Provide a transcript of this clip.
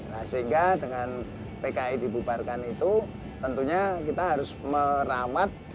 nah sehingga dengan pki dibubarkan itu tentunya kita harus merawat